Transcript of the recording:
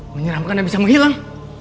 menyeramkan dan bisa menghilang